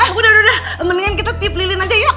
aku udah udah mendingan kita tip lilin aja yuk